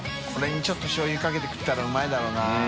ちょっとしょう油かけて食ったらうまいだろうな。